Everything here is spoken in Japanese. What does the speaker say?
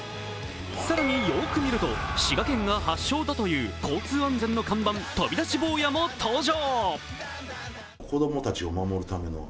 更によく見ると滋賀県が発祥だという交通安全の看板、飛び出し坊やも登場。